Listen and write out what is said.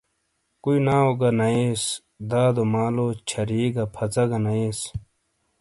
کُوٸی ناٶ گہ ناٸیس، دادو مالو چھَری گہ پھژہ گہ نٸیس